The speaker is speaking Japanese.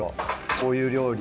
こういう料理。